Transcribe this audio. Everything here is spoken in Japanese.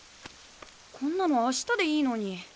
こんなのあしたでいいのに。